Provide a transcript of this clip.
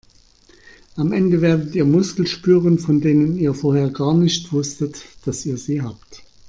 Am Ende werdet ihr Muskeln spüren, von denen ihr vorher gar nicht wusstet, dass ihr sie habt.